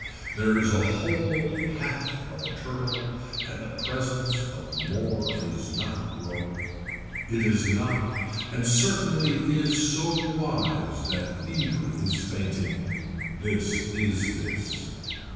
There is a whole half of a turtle and the presence of more is not rope, it is not and certainly is so wise that fever is fainting. This is this.